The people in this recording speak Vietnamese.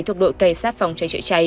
thuộc đội cảnh sát phòng cháy chữa cháy